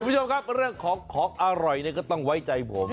คุณผู้ชมครับเรื่องของของอร่อยก็ต้องไว้ใจผม